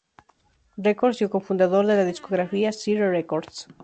Records y co-fundador de la discográfica Sire Records.